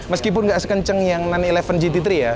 meskipun nggak sekenceng yang sembilan ratus sebelas gt tiga ya